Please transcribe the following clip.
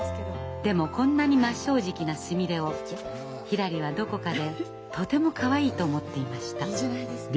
でもこんなに真っ正直なすみれをひらりはどこかでとてもかわいいと思っていました。